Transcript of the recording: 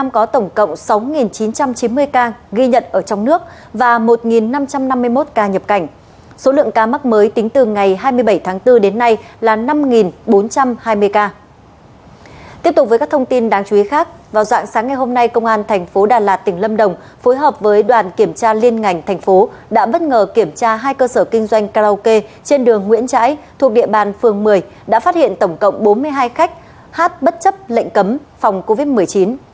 các thông tin đáng chú ý khác vào dạng sáng ngày hôm nay công an tp đà lạt tỉnh lâm đồng phối hợp với đoàn kiểm tra liên ngành tp đã bất ngờ kiểm tra hai cơ sở kinh doanh karaoke trên đường nguyễn trãi thuộc địa bàn phường một mươi đã phát hiện tổng cộng bốn mươi hai khách hát bất chấp lệnh cấm phòng covid một mươi chín